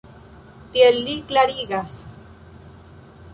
Tiel li klarigas.